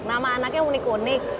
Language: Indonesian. nama anaknya unik unik